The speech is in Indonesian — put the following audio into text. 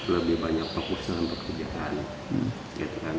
lebih banyak fokus dalam pekerjaan